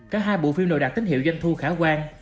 các hai bộ phim nội đạt tín hiệu doanh thu khả quan